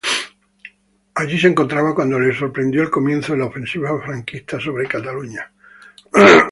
Allí se encontraba cuando le sorprendió el comienzo de la ofensiva franquista sobre Cataluña.